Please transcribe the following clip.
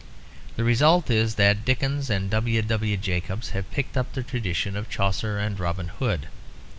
The result is that Dickens and W. W. Jacobs have picked up the tradition of Chaucer and Robin Hood.